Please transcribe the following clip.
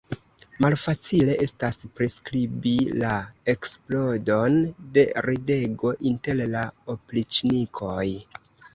Malfacile estas priskribi la eksplodon de ridego inter la opriĉnikoj.